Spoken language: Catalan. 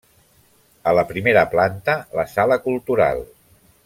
A la primera planta la Sala Cultural.